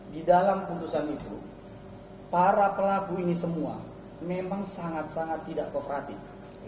di dalam putusan itu para pelaku ini semua memang sangat sangat tidak kooperatif